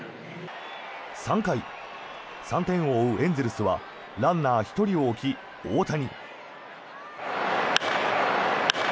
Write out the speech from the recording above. ３回、３点を追うエンゼルスはランナー１人を置き、大谷。